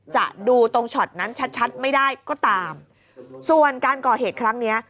จะดูตรงช็อตนั้นชัดชัดไม่ได้ก็ตามส่วนการก่อเหตุครั้งเนี้ย